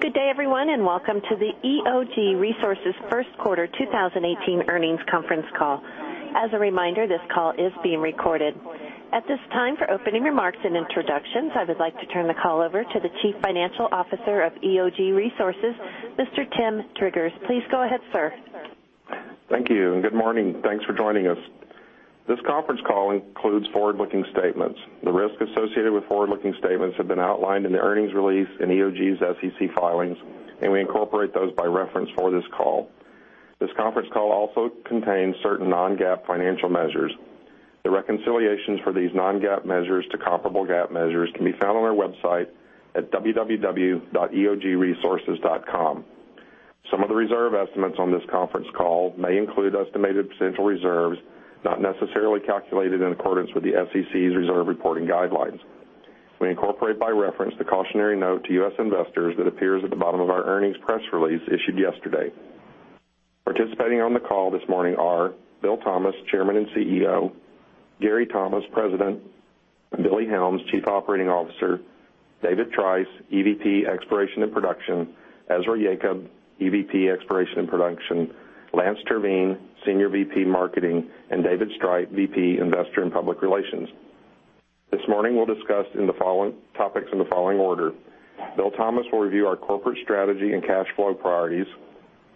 Good day everyone, welcome to the EOG Resources first quarter 2018 earnings conference call. As a reminder, this call is being recorded. At this time, for opening remarks and introductions, I would like to turn the call over to the Chief Financial Officer of EOG Resources, Mr. Tim Driggers. Please go ahead, sir. Thank you, good morning. Thanks for joining us. This conference call includes forward-looking statements. The risks associated with forward-looking statements have been outlined in the earnings release in EOG's SEC filings, we incorporate those by reference for this call. This conference call also contains certain non-GAAP financial measures. The reconciliations for these non-GAAP measures to comparable GAAP measures can be found on our website at www.eogresources.com. Some of the reserve estimates on this conference call may include estimated potential reserves, not necessarily calculated in accordance with the SEC's reserve reporting guidelines. We incorporate by reference the cautionary note to U.S. investors that appears at the bottom of our earnings press release issued yesterday. Participating on the call this morning are Bill Thomas, Chairman and CEO; Gary Thomas, President; Billy Helms, Chief Operating Officer; David Trice, EVP Exploration and Production; Ezra Yacob, EVP Exploration and Production; Lance Terveen, Senior VP Marketing, and David Streit, VP, Investor and Public Relations. This morning, we'll discuss topics in the following order. Bill Thomas will review our corporate strategy and cash flow priorities.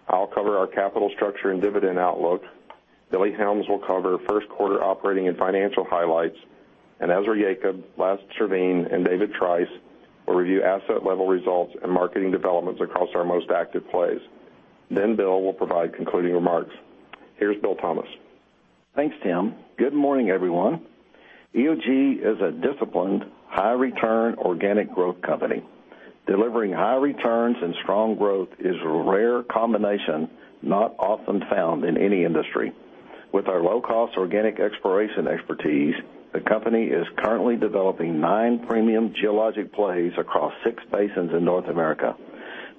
I'll cover our capital structure and dividend outlook. Billy Helms will cover first quarter operating and financial highlights. Ezra Yacob, Lance Terveen, and David Trice will review asset-level results and marketing developments across our most active plays. Bill will provide concluding remarks. Here's Bill Thomas. Thanks, Tim. Good morning, everyone. EOG is a disciplined, high return, organic growth company. Delivering high returns and strong growth is a rare combination, not often found in any industry. With our low-cost organic exploration expertise, the company is currently developing nine premium geologic plays across six basins in North America.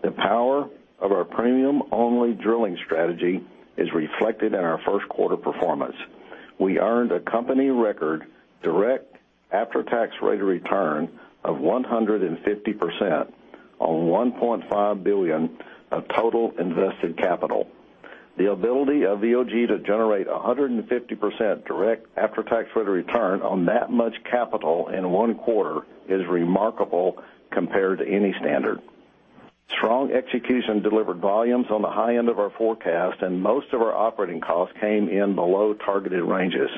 The power of our premium-only drilling strategy is reflected in our first quarter performance. We earned a company record direct after-tax rate of return of 150% on $1.5 billion of total invested capital. The ability of EOG to generate 150% direct after-tax rate of return on that much capital in one quarter is remarkable compared to any standard. Strong execution delivered volumes on the high end of our forecast, and most of our operating costs came in below targeted ranges.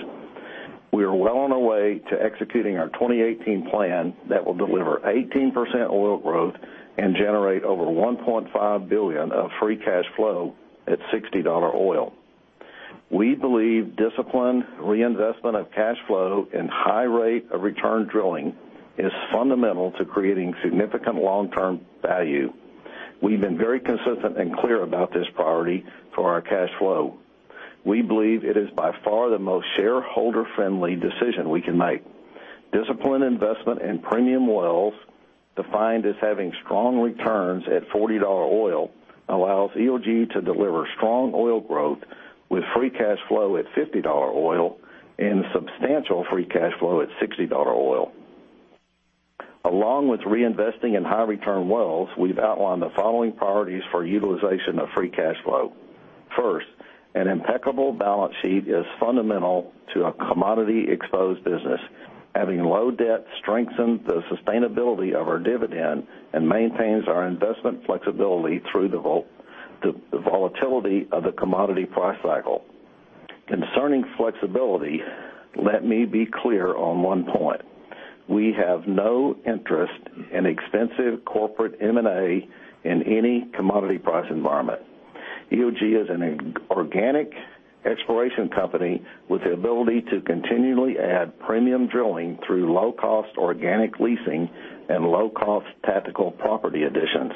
We are well on our way to executing our 2018 plan that will deliver 18% oil growth and generate over $1.5 billion of free cash flow at $60 oil. We believe disciplined reinvestment of cash flow and high rate of return drilling is fundamental to creating significant long-term value. We've been very consistent and clear about this priority for our cash flow. We believe it is by far the most shareholder-friendly decision we can make. Disciplined investment in premium wells, defined as having strong returns at $40 oil, allows EOG to deliver strong oil growth with free cash flow at $50 oil and substantial free cash flow at $60 oil. Along with reinvesting in high return wells, we've outlined the following priorities for utilization of free cash flow. First, an impeccable balance sheet is fundamental to a commodity exposed business. Having low debt strengthens the sustainability of our dividend and maintains our investment flexibility through the volatility of the commodity price cycle. Concerning flexibility, let me be clear on one point. We have no interest in extensive corporate M&A in any commodity price environment. EOG is an organic exploration company with the ability to continually add premium drilling through low cost organic leasing and low cost tactical property additions.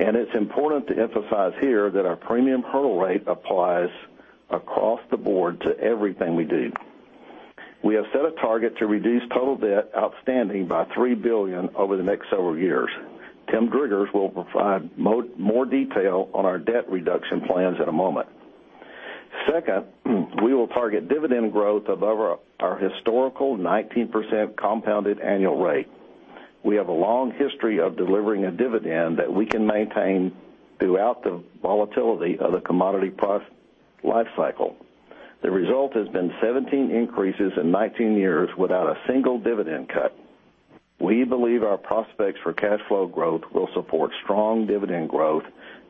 It's important to emphasize here that our premium hurdle rate applies across the board to everything we do. We have set a target to reduce total debt outstanding by $3 billion over the next several years. Timothy K. Driggers will provide more detail on our debt reduction plans in a moment. Second, we will target dividend growth above our historical 19% compounded annual rate. We have a long history of delivering a dividend that we can maintain throughout the volatility of the commodity price life cycle. The result has been 17 increases in 19 years without a single dividend cut. We believe our prospects for cash flow growth will support strong dividend growth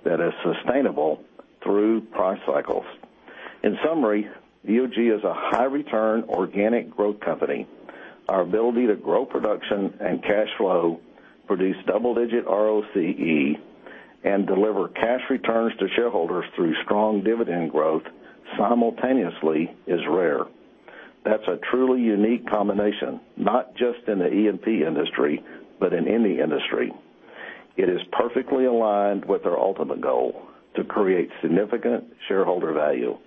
that is sustainable through price cycles. In summary, EOG is a high return organic growth company. Our ability to grow production and cash flow, produce double-digit ROCE, and deliver cash returns to shareholders through strong dividend growth simultaneously is rare. That's a truly unique combination, not just in the E&P industry, but in any industry. It is perfectly aligned with our ultimate goal: to create significant shareholder value.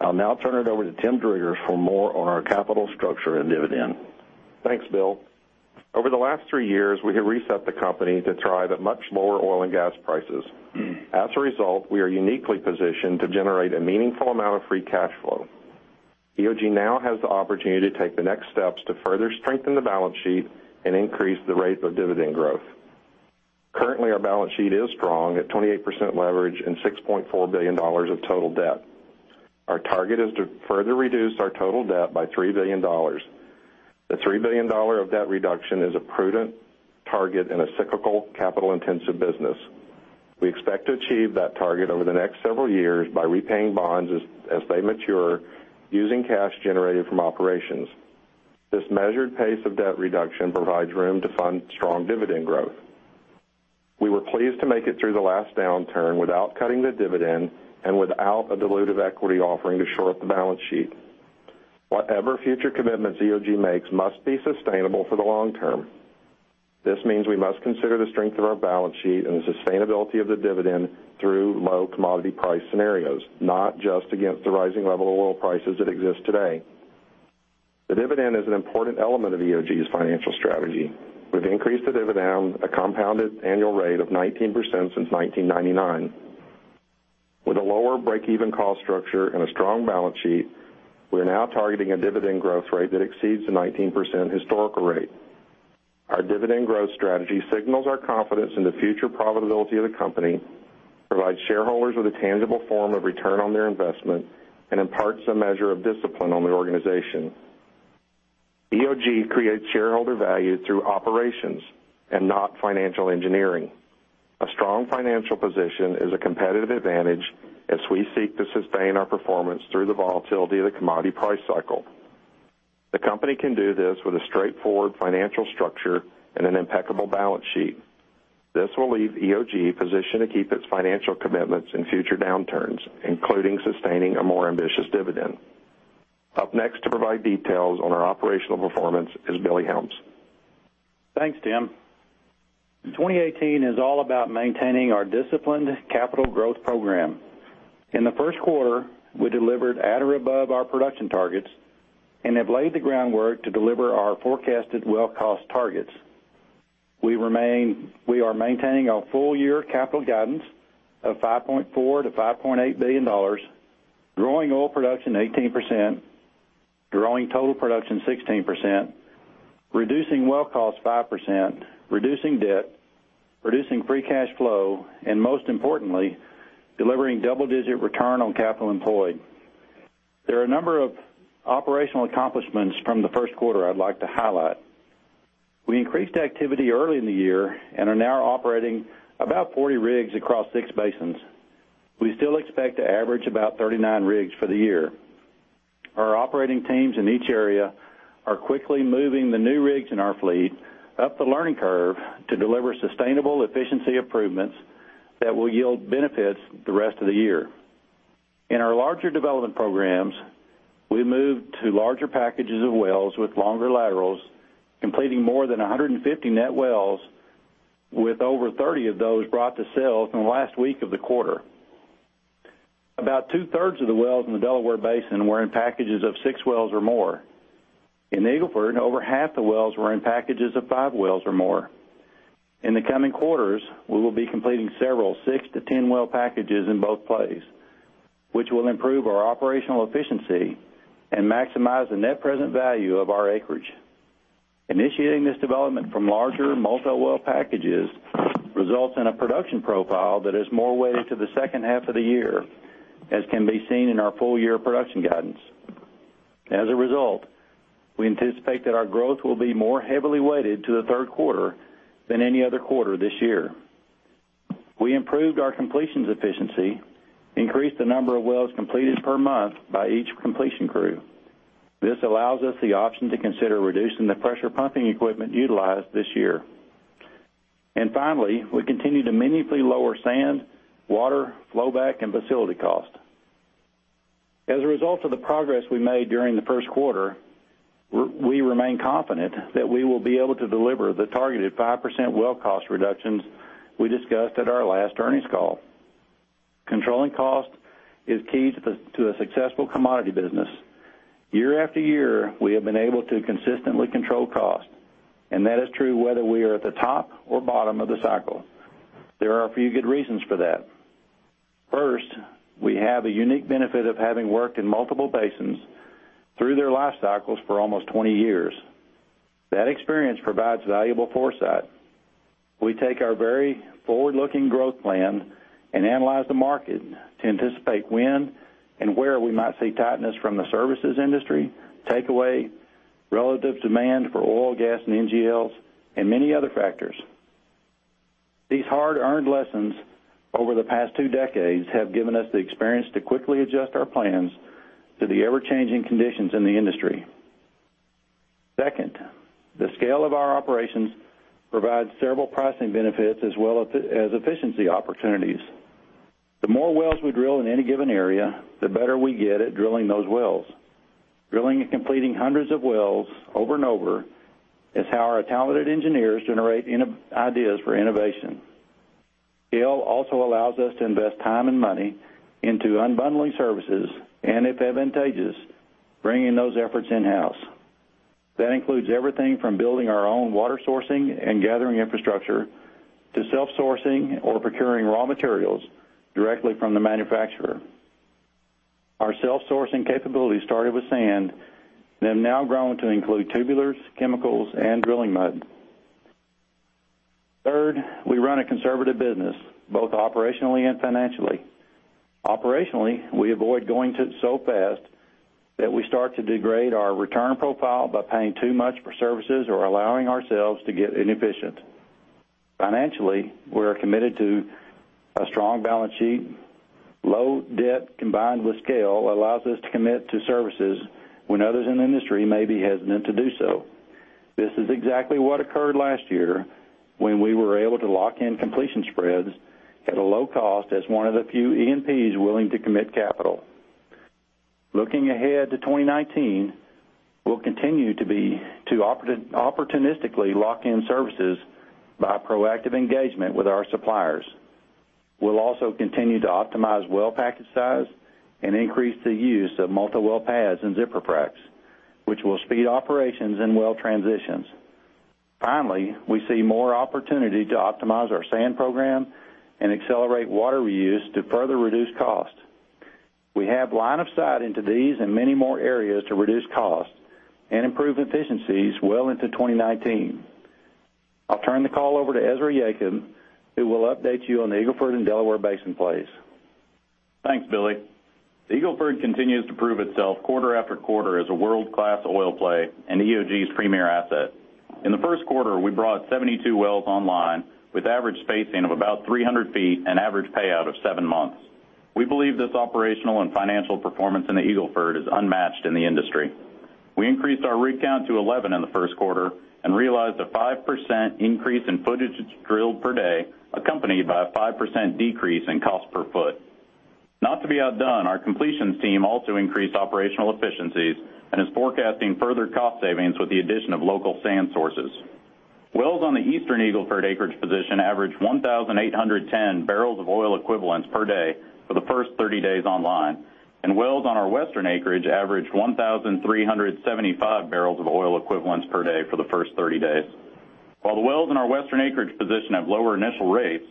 I'll now turn it over to Timothy K. Driggers for more on our capital structure and dividend. Thanks, Bill. Over the last three years, we have reset the company to thrive at much lower oil and gas prices. As a result, we are uniquely positioned to generate a meaningful amount of free cash flow. EOG now has the opportunity to take the next steps to further strengthen the balance sheet and increase the rate of dividend growth. Currently, our balance sheet is strong at 28% leverage and $6.4 billion of total debt. Our target is to further reduce our total debt by $3 billion. The $3 billion of debt reduction is a prudent target in a cyclical capital-intensive business. We expect to achieve that target over the next several years by repaying bonds as they mature using cash generated from operations. This measured pace of debt reduction provides room to fund strong dividend growth. We were pleased to make it through the last downturn without cutting the dividend and without a dilutive equity offering to shore up the balance sheet. Whatever future commitments EOG makes must be sustainable for the long term. This means we must consider the strength of our balance sheet and the sustainability of the dividend through low commodity price scenarios, not just against the rising level oil prices that exist today. The dividend is an important element of EOG's financial strategy. We've increased the dividend, a compounded annual rate of 19% since 1999. With a lower break-even cost structure and a strong balance sheet, we are now targeting a dividend growth rate that exceeds the 19% historical rate. Our dividend growth strategy signals our confidence in the future profitability of the company, provides shareholders with a tangible form of return on their investment, and imparts a measure of discipline on the organization. EOG creates shareholder value through operations and not financial engineering. A strong financial position is a competitive advantage as we seek to sustain our performance through the volatility of the commodity price cycle. The company can do this with a straightforward financial structure and an impeccable balance sheet. This will leave EOG positioned to keep its financial commitments in future downturns, including sustaining a more ambitious dividend. Up next to provide details on our operational performance is Billy Helms. Thanks, Tim. 2018 is all about maintaining our disciplined capital growth program. In the first quarter, we delivered at or above our production targets and have laid the groundwork to deliver our forecasted well cost targets. We are maintaining our full-year capital guidance of $5.4 billion-$5.8 billion, growing oil production 18%, growing total production 16%, reducing well cost 5%, reducing debt, generating free cash flow, and most importantly, delivering double-digit return on capital employed. There are a number of operational accomplishments from the first quarter I'd like to highlight. We increased activity early in the year and are now operating about 40 rigs across six basins. We still expect to average about 39 rigs for the year. Our operating teams in each area are quickly moving the new rigs in our fleet up the learning curve to deliver sustainable efficiency improvements that will yield benefits the rest of the year. In our larger development programs, we moved to larger packages of wells with longer laterals, completing more than 150 net wells with over 30 of those brought to sales in the last week of the quarter. About two-thirds of the wells in the Delaware Basin were in packages of six wells or more. In the Eagle Ford, over half the wells were in packages of five wells or more. In the coming quarters, we will be completing several 6 to 10-well packages in both plays, which will improve our operational efficiency and maximize the net present value of our acreage. Initiating this development from larger multi-well packages results in a production profile that is more weighted to the second half of the year, as can be seen in our full-year production guidance. As a result, we anticipate that our growth will be more heavily weighted to the third quarter than any other quarter this year. We improved our completions efficiency, increased the number of wells completed per month by each completion crew. This allows us the option to consider reducing the pressure pumping equipment utilized this year. Finally, we continue to meaningfully lower sand, water, flow-back, and facility cost. As a result of the progress we made during the first quarter, we remain confident that we will be able to deliver the targeted 5% well cost reductions we discussed at our last earnings call. Controlling cost is key to a successful commodity business. Year after year, we have been able to consistently control cost, that is true whether we are at the top or bottom of the cycle. There are a few good reasons for that. First, we have a unique benefit of having worked in multiple basins through their life cycles for almost 20 years. That experience provides valuable foresight. We take our very forward-looking growth plan and analyze the market to anticipate when and where we might see tightness from the services industry, takeaway, relative demand for oil, gas, and NGLs, and many other factors. These hard-earned lessons over the past two decades have given us the experience to quickly adjust our plans to the ever-changing conditions in the industry. Second, the scale of our operations provides several pricing benefits as well as efficiency opportunities. The more wells we drill in any given area, the better we get at drilling those wells. Drilling and completing hundreds of wells over and over is how our talented engineers generate ideas for innovation. Scale also allows us to invest time and money into unbundling services, and if advantageous, bringing those efforts in-house. That includes everything from building our own water sourcing and gathering infrastructure to self-sourcing or procuring raw materials directly from the manufacturer. Our self-sourcing capabilities started with sand and have now grown to include tubulars, chemicals, and drilling mud. Third, we run a conservative business, both operationally and financially. Operationally, we avoid going so fast that we start to degrade our return profile by paying too much for services or allowing ourselves to get inefficient. Financially, we are committed to a strong balance sheet. Low debt combined with scale allows us to commit to services when others in the industry may be hesitant to do so. This is exactly what occurred last year when we were able to lock in completion spreads at a low cost as one of the few E&Ps willing to commit capital. Looking ahead to 2019, we'll continue to opportunistically lock in services by proactive engagement with our suppliers. We'll also continue to optimize well package size and increase the use of multi-well pads and zipper fracs, which will speed operations and well transitions. Finally, we see more opportunity to optimize our sand program and accelerate water reuse to further reduce costs. We have line of sight into these and many more areas to reduce costs and improve efficiencies well into 2019. I'll turn the call over to Ezra Yacob, who will update you on the Eagle Ford and Delaware Basin plays. Thanks, Billy. The Eagle Ford continues to prove itself quarter after quarter as a world-class oil play and EOG's premier asset. In the first quarter, we brought 72 wells online with average spacing of about 300 feet and average payout of seven months. We believe this operational and financial performance in the Eagle Ford is unmatched in the industry. We increased our rig count to 11 in the first quarter and realized a 5% increase in footage drilled per day, accompanied by a 5% decrease in cost per foot. Not to be outdone, our completions team also increased operational efficiencies and is forecasting further cost savings with the addition of local sand sources. Wells on the eastern Eagle Ford acreage position averaged 1,810 barrels of oil equivalents per day for the first 30 days online, and wells on our western acreage averaged 1,375 barrels of oil equivalents per day for the first 30 days. While the wells in our western acreage position have lower initial rates,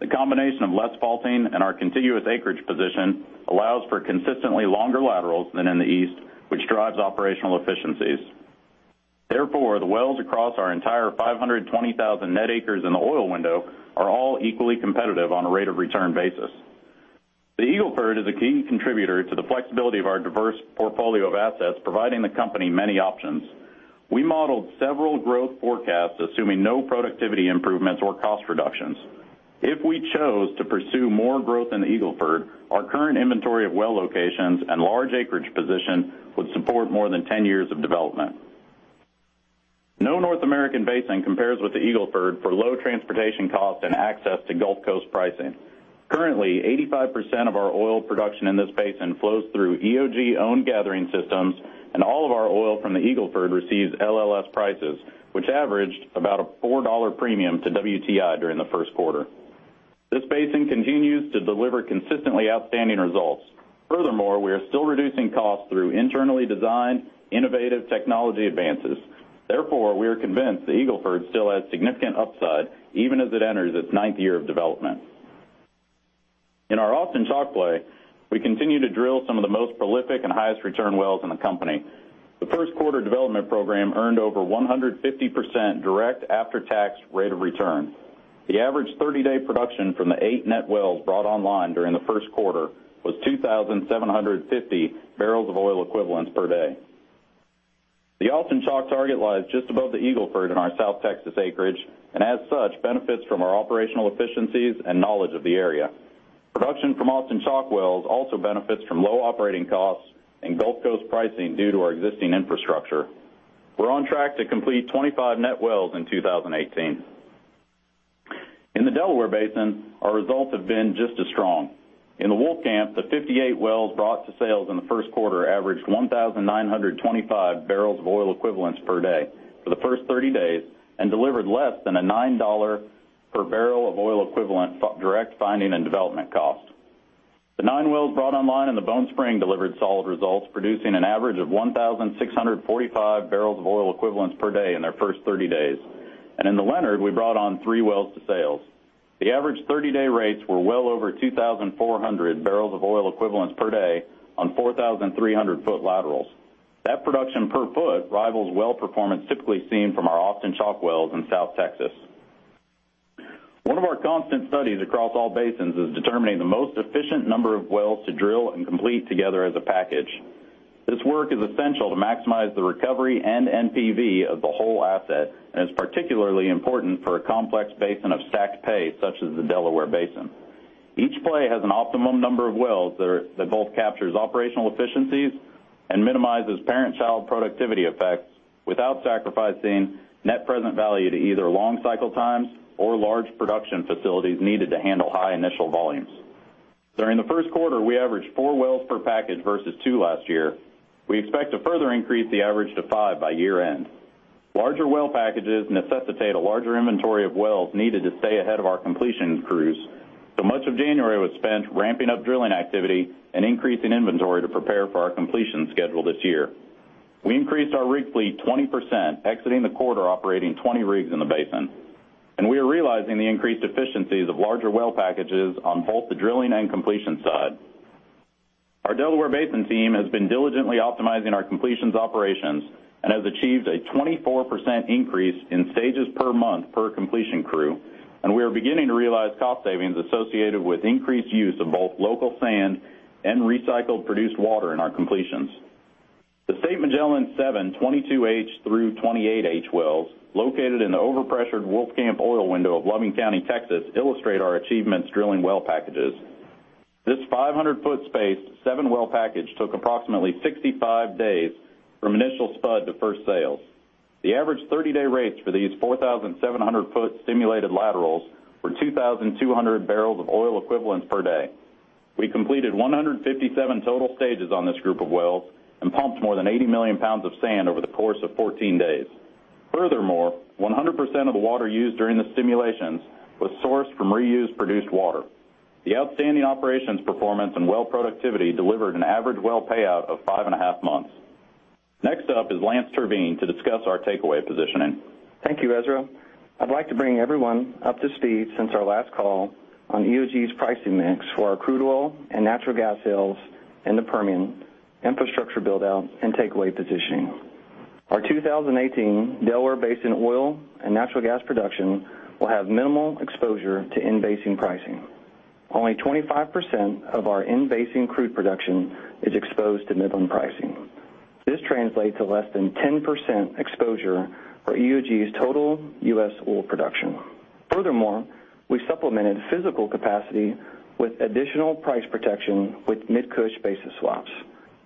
the combination of less faulting and our contiguous acreage position allows for consistently longer laterals than in the east, which drives operational efficiencies. Therefore, the wells across our entire 520,000 net acres in the oil window are all equally competitive on a rate of return basis. The Eagle Ford is a key contributor to the flexibility of our diverse portfolio of assets, providing the company many options. We modeled several growth forecasts assuming no productivity improvements or cost reductions. If we chose to pursue more growth in the Eagle Ford, our current inventory of well locations and large acreage position would support more than 10 years of development. No North American basin compares with the Eagle Ford for low transportation cost and access to Gulf Coast pricing. Currently, 85% of our oil production in this basin flows through EOG-owned gathering systems, and all of our oil from the Eagle Ford receives LLS prices, which averaged about a $4 premium to WTI during the first quarter. This basin continues to deliver consistently outstanding results. Furthermore, we are still reducing costs through internally designed, innovative technology advances. Therefore, we are convinced that Eagle Ford still has significant upside even as it enters its ninth year of development. In our Austin Chalk play, we continue to drill some of the most prolific and highest return wells in the company. The first quarter development program earned over 150% direct after-tax rate of return. The average 30-day production from the eight net wells brought online during the first quarter was 2,750 barrels of oil equivalents per day. The Austin Chalk target lies just above the Eagle Ford in our South Texas acreage, and as such, benefits from our operational efficiencies and knowledge of the area. Production from Austin Chalk wells also benefits from low operating costs and Gulf Coast pricing due to our existing infrastructure. We're on track to complete 25 net wells in 2018. In the Delaware Basin, our results have been just as strong. In the Wolfcamp, the 58 wells brought to sales in the first quarter averaged 1,925 barrels of oil equivalents per day for the first 30 days and delivered less than a $9 per barrel of oil equivalent direct finding and development cost. The nine wells brought online in the Bone Spring delivered solid results, producing an average of 1,645 barrels of oil equivalents per day in their first 30 days. In the Leonard, we brought on three wells to sales. The average 30-day rates were well over 2,400 barrels of oil equivalents per day on 4,300-foot laterals. That production per foot rivals well performance typically seen from our Austin Chalk wells in South Texas. One of our constant studies across all basins is determining the most efficient number of wells to drill and complete together as a package. This work is essential to maximize the recovery and NPV of the whole asset, and is particularly important for a complex basin of stacked pay such as the Delaware Basin. Each play has an optimum number of wells that both captures operational efficiencies and minimizes parent-child productivity effects without sacrificing net present value to either long cycle times or large production facilities needed to handle high initial volumes. During the first quarter, we averaged four wells per package versus two last year. We expect to further increase the average to five by year-end. Larger well packages necessitate a larger inventory of wells needed to stay ahead of our completion crews. Much of January was spent ramping up drilling activity and increasing inventory to prepare for our completion schedule this year. We increased our rig fleet 20%, exiting the quarter operating 20 rigs in the basin. We are realizing the increased efficiencies of larger well packages on both the drilling and completion side. Our Delaware Basin team has been diligently optimizing our completions operations and has achieved a 24% increase in stages per month per completion crew. We are beginning to realize cost savings associated with increased use of both local sand and recycled produced water in our completions. The State Magellan 7, 22H through 28H wells, located in the overpressured Wolfcamp Oil Window of Loving County, Texas, illustrate our achievements drilling well packages. This 500-foot space, seven-well package took approximately 65 days from initial spud to first sales. The average 30-day rates for these 4,700-foot stimulated laterals were 2,200 barrels of oil equivalents per day. We completed 157 total stages on this group of wells and pumped more than 80 million pounds of sand over the course of 14 days. Furthermore, 100% of the water used during the simulations was sourced from reused produced water. The outstanding operations performance and well productivity delivered an average well payout of five and a half months. Next up is Lance Terveen to discuss our takeaway positioning. Thank you, Ezra. I'd like to bring everyone up to speed since our last call on EOG's pricing mix for our crude oil and natural gas sales in the Permian, infrastructure build-out, and takeaway positioning. Our 2018 Delaware Basin oil and natural gas production will have minimal exposure to in-basin pricing. Only 25% of our in-basin crude production is exposed to Midland pricing. This translates to less than 10% exposure for EOG's total U.S. oil production. Furthermore, we supplemented physical capacity with additional price protection with Mid-Cush basis swaps.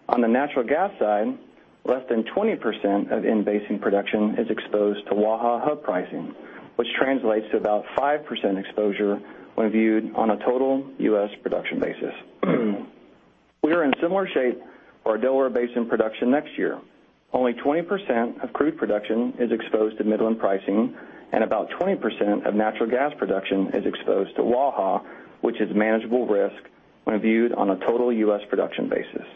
On the natural gas side, less than 20% of in-basin production is exposed to WAHA hub pricing, which translates to about 5% exposure when viewed on a total U.S. production basis. We are in similar shape for our Delaware Basin production next year. Only 20% of crude production is exposed to Midland pricing, and about 20% of natural gas production is exposed to WAHA, which is manageable risk when viewed on a total U.S. production basis.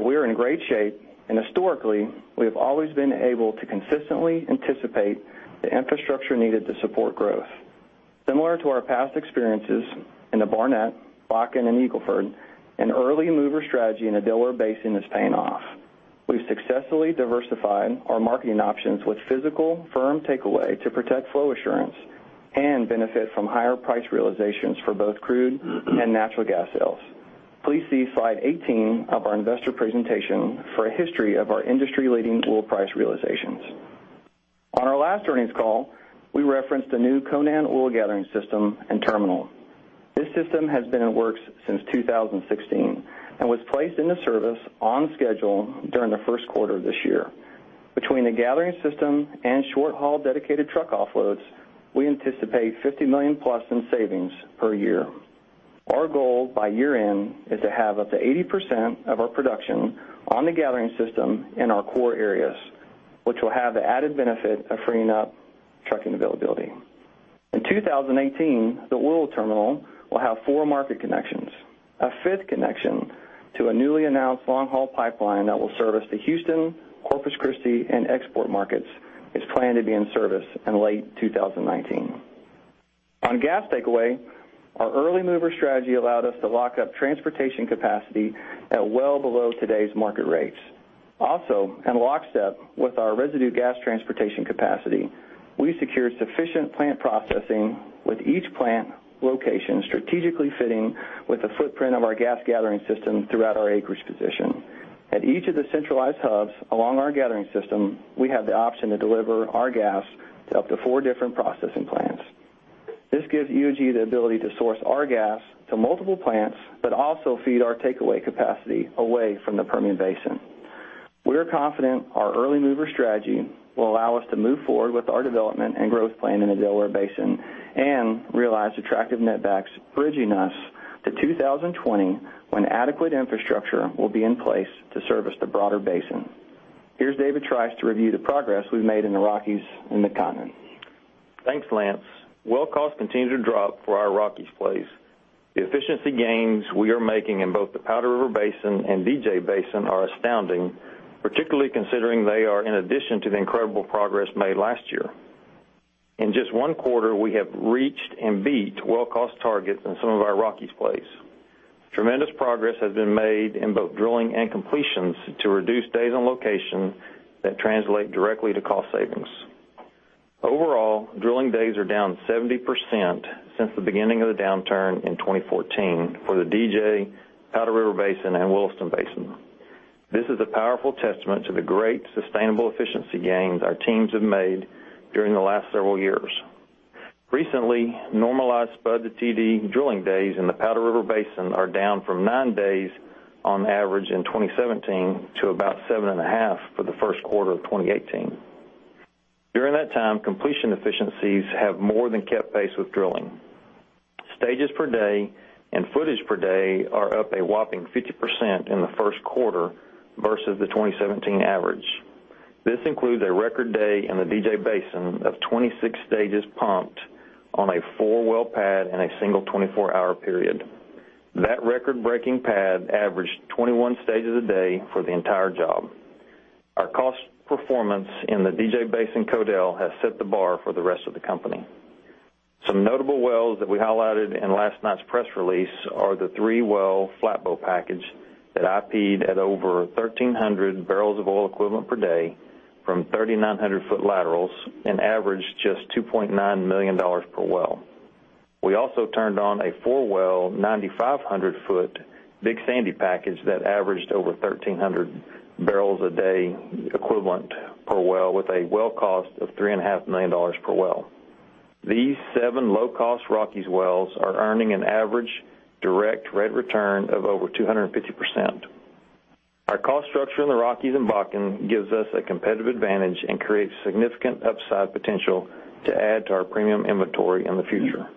We're in great shape, and historically, we have always been able to consistently anticipate the infrastructure needed to support growth. Similar to our past experiences in the Barnett, Bakken, and Eagle Ford, an early mover strategy in the Delaware Basin is paying off. We've successfully diversified our marketing options with physical firm takeaway to protect flow assurance and benefit from higher price realizations for both crude and natural gas sales. Please see slide 18 of our investor presentation for a history of our industry-leading oil price realizations. On our last earnings call, we referenced a new Conan oil gathering system and terminal. This system has been in works since 2016 and was placed into service on schedule during the first quarter of this year. Between the gathering system and short-haul dedicated truck offloads, we anticipate $50 million+ in savings per year. Our goal by year-end is to have up to 80% of our production on the gathering system in our core areas, which will have the added benefit of freeing up trucking availability. In 2018, the oil terminal will have four market connections. A fifth connection to a newly announced long-haul pipeline that will service the Houston, Corpus Christi, and export markets is planned to be in service in late 2019. On gas takeaway, our early mover strategy allowed us to lock up transportation capacity at well below today's market rates. In lockstep with our residue gas transportation capacity, we secured sufficient plant processing with each plant location strategically fitting with the footprint of our gas gathering system throughout our acreage position. At each of the centralized hubs along our gathering system, we have the option to deliver our gas to up to four different processing plants. This gives EOG the ability to source our gas to multiple plants, but also feed our takeaway capacity away from the Permian Basin. We are confident our early mover strategy will allow us to move forward with our development and growth plan in the Delaware Basin and realize attractive netbacks, bridging us to 2020, when adequate infrastructure will be in place to service the broader basin. Here's David Trice to review the progress we've made in the Rockies and the Cotton Valley. Thanks, Lance. Well cost continued to drop for our Rockies plays. The efficiency gains we are making in both the Powder River Basin and DJ Basin are astounding, particularly considering they are in addition to the incredible progress made last year. In just one quarter, we have reached and beat well cost targets in some of our Rockies plays. Tremendous progress has been made in both drilling and completions to reduce days on location that translate directly to cost savings. Overall, drilling days are down 70% since the beginning of the downturn in 2014 for the DJ Powder River Basin and Williston Basin. This is a powerful testament to the great sustainable efficiency gains our teams have made during the last several years. Recently normalized spud to TD drilling days in the Powder River Basin are down from nine days on average in 2017 to about seven and a half for the first quarter of 2018. During that time, completion efficiencies have more than kept pace with drilling. Stages per day and footage per day are up a whopping 50% in the first quarter versus the 2017 average. This includes a record day in the DJ Basin of 26 stages pumped on a four-well pad in a single 24-hour period. That record-breaking pad averaged 21 stages a day for the entire job. Our cost performance in the DJ Basin Codell has set the bar for the rest of the company. Some notable wells that we highlighted in last night's press release are the three-well Flatbow package that IP'd at over 1,300 barrels of oil equivalent per day from 3,900-foot laterals and averaged just $2.9 million per well. We also turned on a four-well, 9,500-foot Big Sandy package that averaged over 1,300 barrels a day equivalent per well, with a well cost of $3.5 million per well. These seven low-cost Rockies wells are earning an average direct rate return of over 250%. Our cost structure in the Rockies and Bakken gives us a competitive advantage and creates significant upside potential to add to our premium inventory in the future.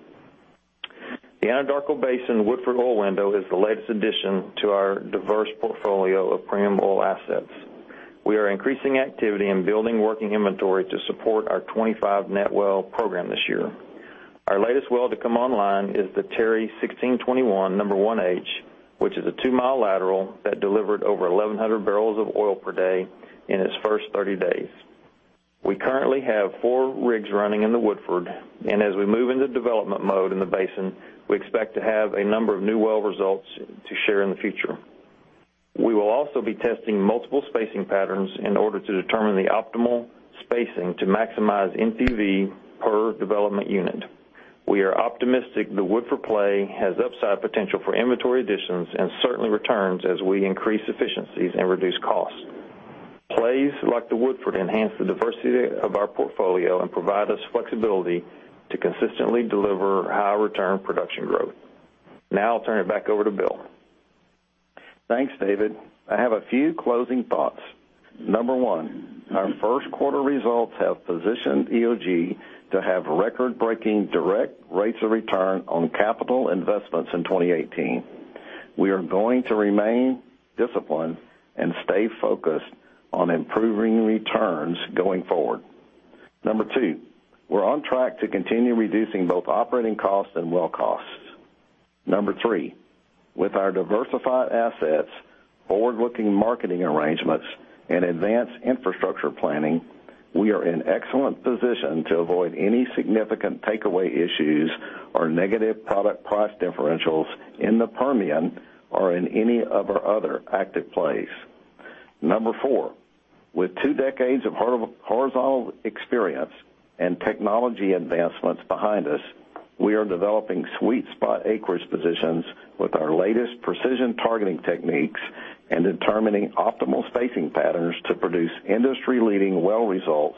The Anadarko Basin Woodford Oil Window is the latest addition to our diverse portfolio of premium oil assets. We are increasing activity and building working inventory to support our 25-net well program this year. Our latest well to come online is the Terry 1621 #1H, which is a two-mile lateral that delivered over 1,100 barrels of oil per day in its first 30 days. We currently have four rigs running in the Woodford, as we move into development mode in the basin, we expect to have a number of new well results to share in the future. We will also be testing multiple spacing patterns in order to determine the optimal spacing to maximize NPV per development unit. We are optimistic the Woodford play has upside potential for inventory additions and certainly returns as we increase efficiencies and reduce costs. Plays like the Woodford enhance the diversity of our portfolio and provide us flexibility to consistently deliver high-return production growth. Now I'll turn it back over to Bill. Thanks, David. I have a few closing thoughts. Number one, our first quarter results have positioned EOG to have record-breaking direct rates of return on capital investments in 2018. We are going to remain disciplined and stay focused on improving returns going forward. Number two, we're on track to continue reducing both operating costs and well costs. Number three, with our diversified assets, forward-looking marketing arrangements, and advanced infrastructure planning, we are in excellent position to avoid any significant takeaway issues or negative product price differentials in the Permian or in any of our other active plays. Number four, with two decades of horizontal experience and technology advancements behind us, we are developing sweet spot acreage positions with our latest precision targeting techniques and determining optimal spacing patterns to produce industry-leading well results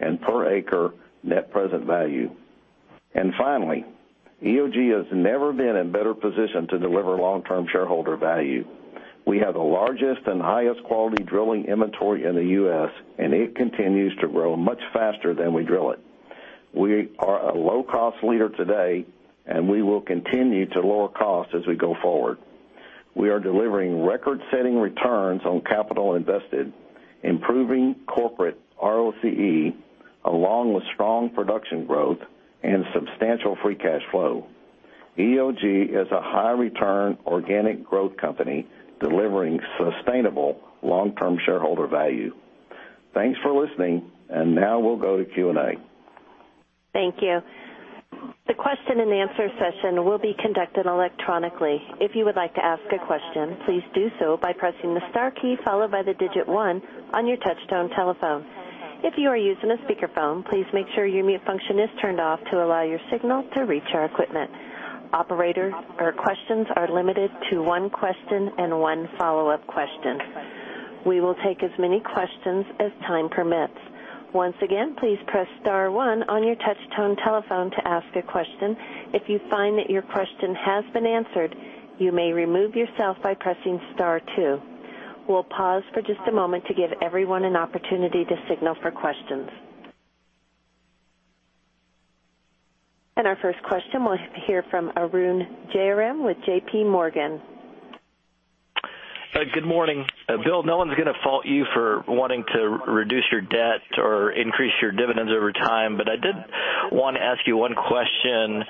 and per acre net present value. Finally, EOG has never been in a better position to deliver long-term shareholder value. We have the largest and highest quality drilling inventory in the U.S., and it continues to grow much faster than we drill it. We are a low-cost leader today, and we will continue to lower costs as we go forward. We are delivering record-setting returns on capital invested, improving corporate ROCE, along with strong production growth and substantial free cash flow. EOG is a high-return organic growth company delivering sustainable long-term shareholder value. Thanks for listening. Now we'll go to Q&A. Thank you. The question and answer session will be conducted electronically. If you would like to ask a question, please do so by pressing the star key followed by the digit 1 on your touch-tone telephone. If you are using a speakerphone, please make sure your mute function is turned off to allow your signal to reach our equipment. Operators, questions are limited to 1 question and 1 follow-up question. We will take as many questions as time permits. Once again, please press star 1 on your touch-tone telephone to ask a question. If you find that your question has been answered, you may remove yourself by pressing star 2. We'll pause for just a moment to give everyone an opportunity to signal for questions. Our first question, we'll hear from Arun Jayaram with J.P. Morgan. Good morning. Bill, no one's going to fault you for wanting to reduce your debt or increase your dividends over time, but I did want to ask you 1 question.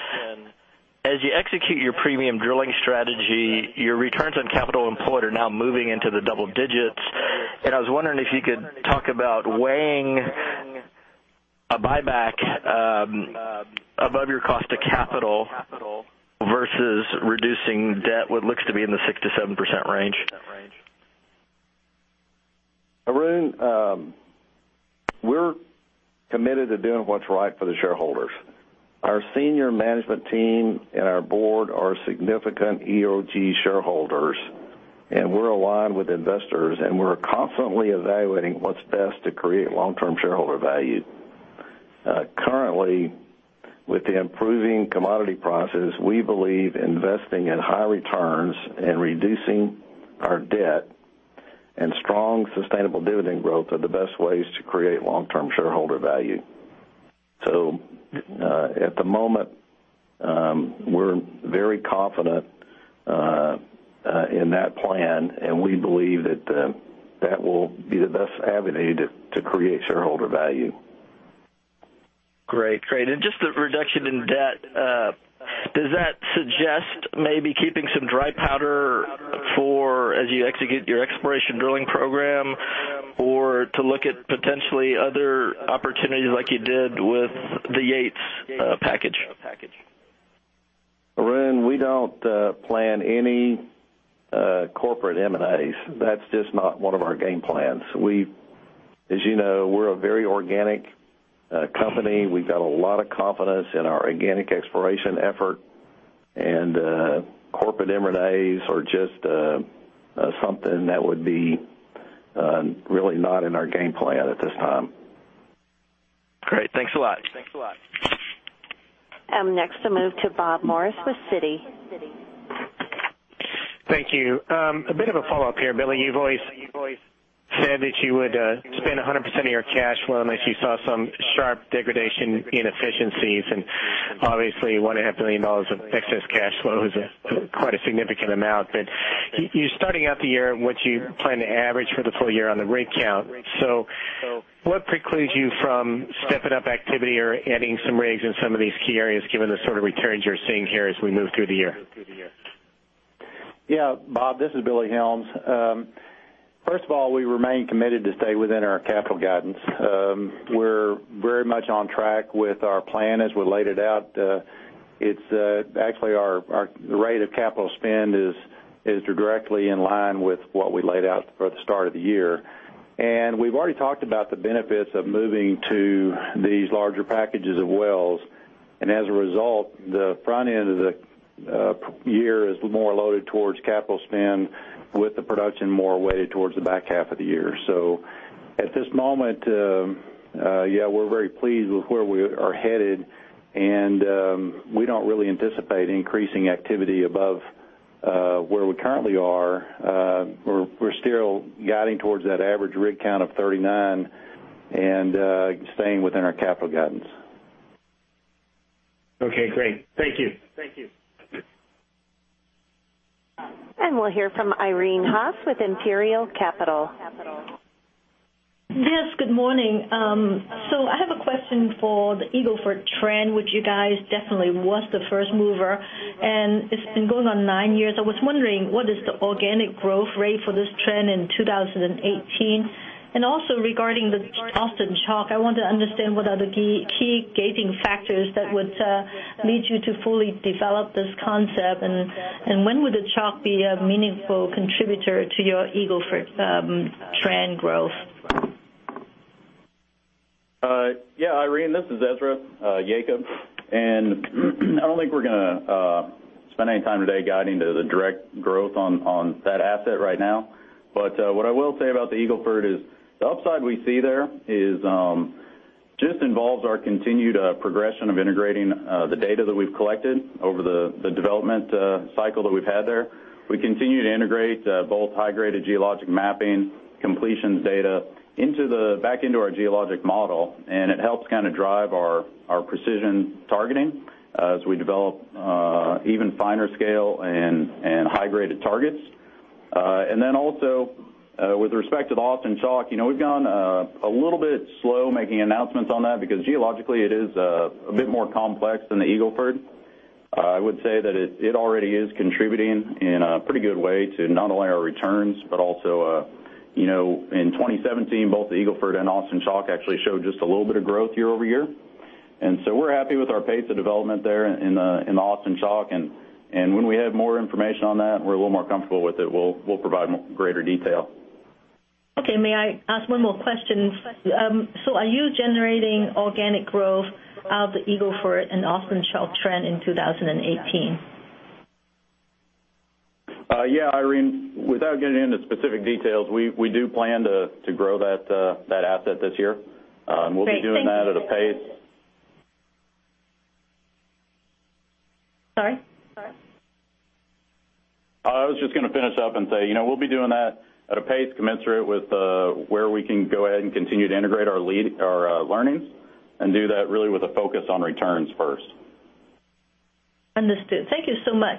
As you execute your premium drilling strategy, your returns on capital employed are now moving into the double digits. I was wondering if you could talk about weighing a buyback above your cost of capital versus reducing debt, what looks to be in the 6%-7% range. Arun, we're committed to doing what's right for the shareholders. Our senior management team and our board are significant EOG shareholders, and we're aligned with investors, and we're constantly evaluating what's best to create long-term shareholder value. Currently, with the improving commodity prices, we believe investing in high returns and reducing our debt Strong, sustainable dividend growth are the best ways to create long-term shareholder value. At the moment, we're very confident in that plan, and we believe that will be the best avenue to create shareholder value. Just the reduction in debt, does that suggest maybe keeping some dry powder for as you execute your exploration drilling program, or to look at potentially other opportunities like you did with the Yates package? Arun, we don't plan any corporate M&As. That's just not one of our game plans. As you know, we're a very organic company. We've got a lot of confidence in our organic exploration effort, corporate M&As are just something that would be really not in our game plan at this time. Great. Thanks a lot. Next, I'll move to Bob Morris with Citi. Thank you. A bit of a follow-up here, Billy. You've always said that you would spend 100% of your cash flow unless you saw some sharp degradation in efficiencies. Obviously, $1.5 billion of excess cash flow is quite a significant amount. You're starting out the year, what you plan to average for the full year on the rig count. What precludes you from stepping up activity or adding some rigs in some of these key areas, given the sort of returns you're seeing here as we move through the year? Yeah. Bob, this is Billy Helms. First of all, we remain committed to stay within our capital guidance. We're very much on track with our plan as we laid it out. Actually, our rate of capital spend is directly in line with what we laid out for the start of the year. We've already talked about the benefits of moving to these larger packages of wells. As a result, the front end of the year is more loaded towards capital spend, with the production more weighted towards the back half of the year. At this moment, yeah, we're very pleased with where we are headed, and we don't really anticipate increasing activity above where we currently are. We're still guiding towards that average rig count of 39 and staying within our capital guidance. Okay, great. Thank you. We'll hear from Irene Haas with Imperial Capital. Yes, good morning. I have a question for the Eagle Ford trend, which you guys definitely was the first mover, and it's been going on nine years. I was wondering, what is the organic growth rate for this trend in 2018? Also regarding the Austin Chalk, I want to understand what are the key gating factors that would lead you to fully develop this concept, and when would the Chalk be a meaningful contributor to your Eagle Ford trend growth? Yeah, Irene, this is Ezra Yacob, and I don't think we're going to spend any time today guiding to the direct growth on that asset right now. What I will say about the Eagle Ford is the upside we see there just involves our continued progression of integrating the data that we've collected over the development cycle that we've had there. We continue to integrate both high-graded geologic mapping, completions data back into our geologic model, and it helps drive our precision targeting as we develop even finer scale and high-graded targets. Then also with respect to the Austin Chalk, we've gone a little bit slow making announcements on that because geologically it is a bit more complex than the Eagle Ford. I would say that it already is contributing in a pretty good way to not only our returns, but also in 2017, both the Eagle Ford and Austin Chalk actually showed just a little bit of growth year-over-year. We're happy with our pace of development there in the Austin Chalk. When we have more information on that and we're a little more comfortable with it, we'll provide greater detail. Okay. May I ask one more question? Are you generating organic growth out of the Eagle Ford and Austin Chalk trend in 2018? Yeah, Irene, without getting into specific details, we do plan to grow that asset this year. We'll be doing that at a pace. Sorry? I was just going to finish up and say, we'll be doing that at a pace commensurate with where we can go ahead and continue to integrate our learnings and do that really with a focus on returns first. Understood. Thank you so much.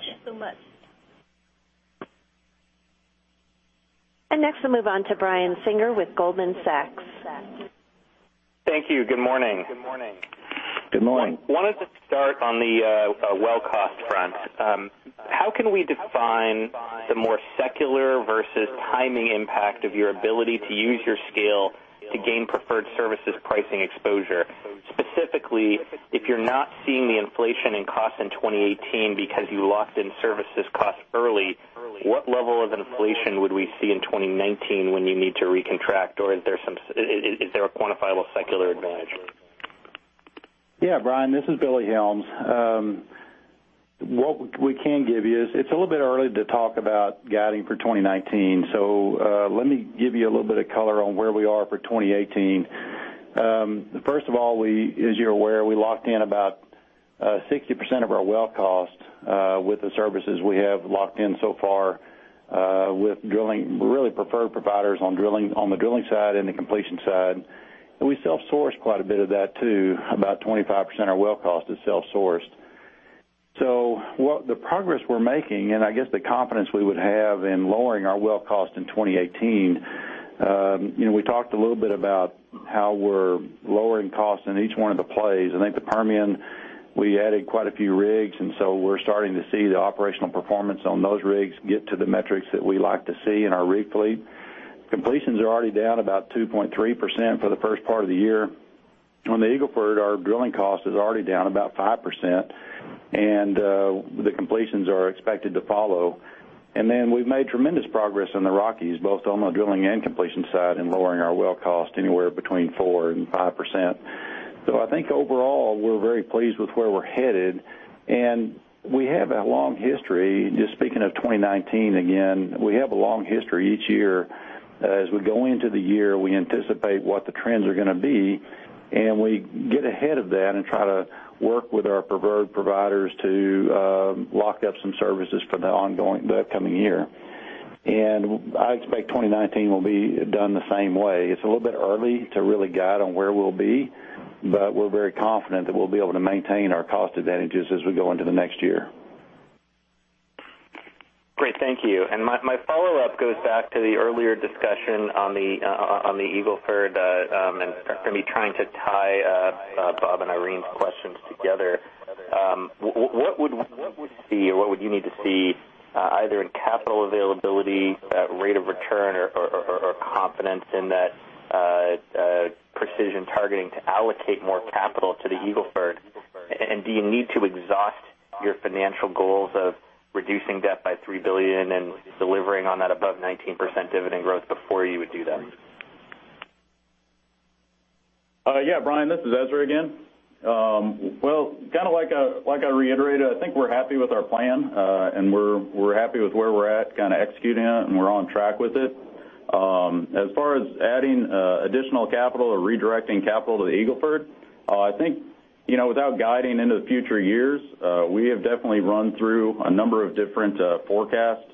Next, I'll move on to Brian Singer with Goldman Sachs. Thank you. Good morning. Good morning. I wanted to start on the well cost front. How can we define the more secular versus timing impact of your ability to use your scale to gain preferred services pricing exposure? Specifically, if you're not seeing the inflation in cost in 2018 because you locked in services cost early, what level of inflation would we see in 2019 when you need to recontract? Or is there a quantifiable secular advantage? Yeah, Brian, this is Billy Helms. What we can give you is it's a little bit early to talk about guiding for 2019. Let me give you a little bit of color on where we are for 2018. First of all, as you're aware, we locked in about 60% of our well cost with the services we have locked in so far with drilling, really preferred providers on the drilling side and the completion side. We self-source quite a bit of that too. About 25% of our well cost is self-sourced. The progress we're making, and I guess the confidence we would have in lowering our well cost in 2018, we talked a little bit about how we're lowering costs in each one of the plays. I think the Permian, we added quite a few rigs. We're starting to see the operational performance on those rigs get to the metrics that we like to see in our rig fleet. Completions are already down about 2.3% for the first part of the year. On the Eagle Ford, our drilling cost is already down about 5%. The completions are expected to follow. We've made tremendous progress in the Rockies, both on the drilling and completion side, and lowering our well cost anywhere between 4%-5%. I think overall, we're very pleased with where we're headed. We have a long history, just speaking of 2019 again, we have a long history each year. As we go into the year, we anticipate what the trends are going to be, and we get ahead of that and try to work with our preferred providers to lock up some services for the upcoming year. I expect 2019 will be done the same way. It's a little bit early to really guide on where we'll be, but we're very confident that we'll be able to maintain our cost advantages as we go into the next year. Great. Thank you. My follow-up goes back to the earlier discussion on the Eagle Ford, and for me, trying to tie Bob and Irene's questions together. What would you need to see either in capital availability, rate of return or confidence in that precision targeting to allocate more capital to the Eagle Ford? Do you need to exhaust your financial goals of reducing debt by $3 billion and delivering on that above 19% dividend growth before you would do that? Yeah. Brian, this is Ezra again. Well, like I reiterated, I think we're happy with our plan, and we're happy with where we're at, kind of executing it, and we're on track with it. As far as adding additional capital or redirecting capital to the Eagle Ford, I think, without guiding into the future years, we have definitely run through a number of different forecast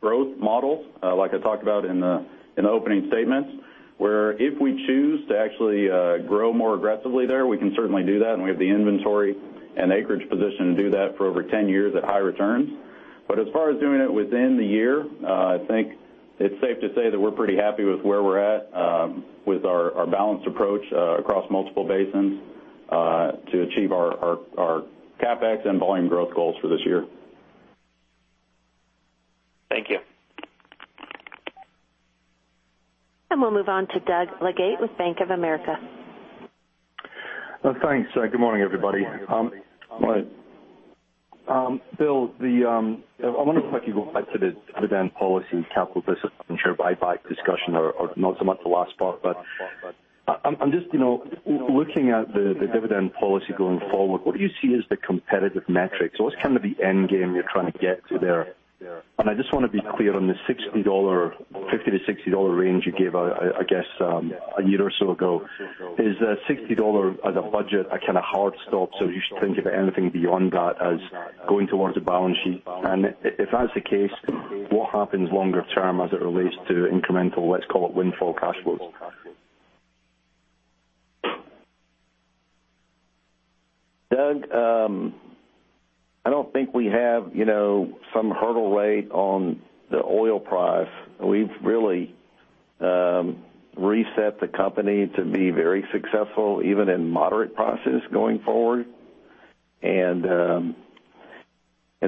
growth models, like I talked about in the opening statements, where if we choose to actually grow more aggressively there, we can certainly do that, and we have the inventory and acreage position to do that for over 10 years at high returns. As far as doing it within the year, I think it's safe to say that we're pretty happy with where we're at with our balanced approach across multiple basins to achieve our CapEx and volume growth goals for this year. Thank you. We'll move on to Doug Leggate with Bank of America. Thanks. Good morning, everybody. Morning. Bill, I wonder if I could go back to the dividend policy capital discipline share buyback discussion, or not so much the last part. I'm just looking at the dividend policy going forward. What do you see as the competitive metrics? What's kind of the end game you're trying to get to there? I just want to be clear on the $50-$60 range you gave, I guess, a year or so ago. Is $60 as a budget a kind of hard stop, so you shouldn't think of anything beyond that as going towards the balance sheet? If that's the case, what happens longer term as it relates to incremental, let's call it windfall cash flows? Doug, I don't think we have some hurdle rate on the oil price. We've really reset the company to be very successful, even in moderate prices going forward.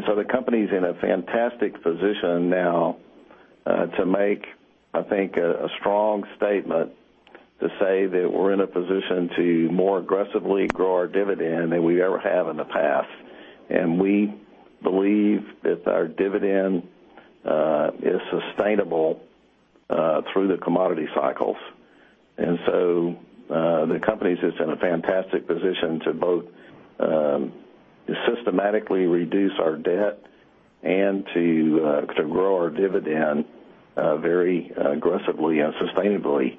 The company's in a fantastic position now to make, I think, a strong statement to say that we're in a position to more aggressively grow our dividend than we ever have in the past. We believe that our dividend is sustainable through the commodity cycles. The company is just in a fantastic position to both systematically reduce our debt and to grow our dividend very aggressively and sustainably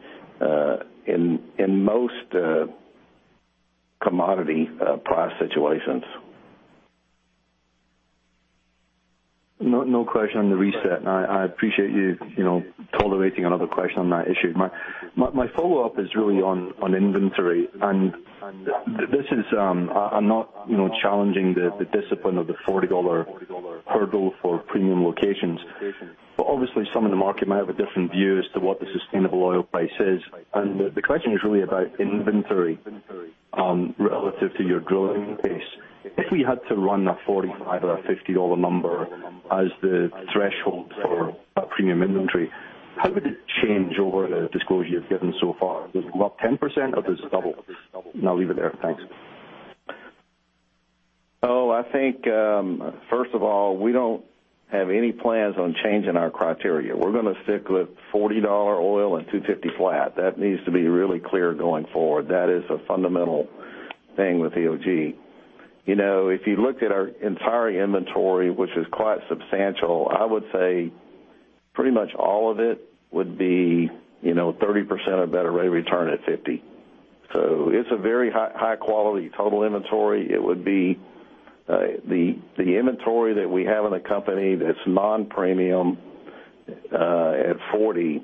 in most commodity price situations. No question on the reset, I appreciate you tolerating another question on that issue. My follow-up is really on inventory, and I'm not challenging the discipline of the $40 hurdle for premium locations. Obviously, some in the market might have a different view as to what the sustainable oil price is. The question is really about inventory relative to your growth pace. If we had to run a $45 or a $50 number as the threshold for premium inventory, how would it change over the disclosure you've given so far? Is it about 10%, or is it double? I'll leave it there. Thanks. I think, first of all, we don't have any plans on changing our criteria. We're going to stick with $40 oil and 250 flat. That needs to be really clear going forward. That is a fundamental thing with EOG. If you looked at our entire inventory, which is quite substantial, I would say Pretty much all of it would be 30% or better rate of return at $50. It's a very high quality total inventory. The inventory that we have in the company that's non-premium at $40